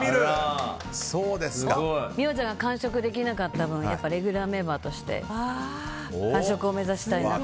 美桜ちゃんが完食できなかった分レギュラーメンバーとして完食を目指したいなと。